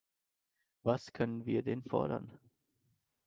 Was können wir den fordern?